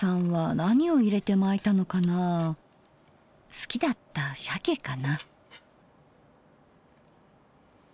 好きだったしゃけかな。